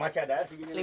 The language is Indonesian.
masih ada air